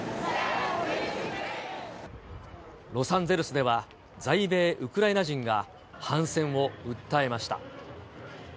ロサンゼルスでは、在米ウクライナ人が、反戦を訴えました。